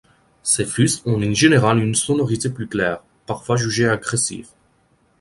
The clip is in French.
Ces fuzz ont en général une sonorité plus claire, parfois jugée agressive.